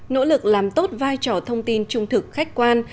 nỗ lực làm tốt vai trò thông tin trung thực khách quan